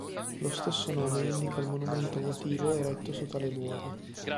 Lo stesso nome indica il monumento votivo eretto su tale luogo.